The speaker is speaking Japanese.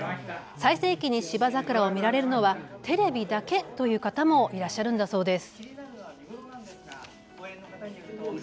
最盛期に芝桜を見られるのはテレビだけという方もいらっしゃるんだそうです。